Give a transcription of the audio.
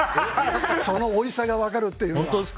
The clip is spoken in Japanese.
そのおいしさが分かるというのは。